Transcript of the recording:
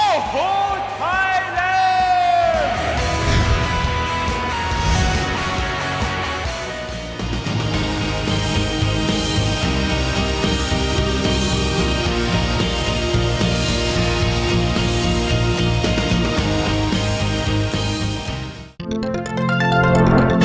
โอ้โหไทยแลนด์